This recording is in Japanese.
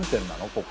ここ。